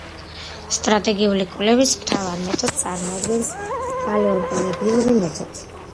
სტრატიგრაფიული კვლევის მთავარ მეთოდს წარმოადგენს პალეონტოლოგიური მეთოდი.